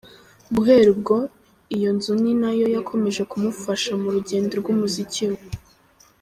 Guhera ubwo, iyo nzu ni na yo yakomeje kumufasha mu rugendo rw’umuziki we.